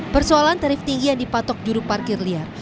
persoalan tarif tinggi yang dipatok juru parkir liar